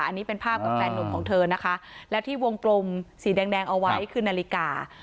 อันนี้เป็นภาพกับแฟนหนุ่มของเธอนะคะแล้วที่วงกลมสีแดงแดงเอาไว้คือนาฬิกา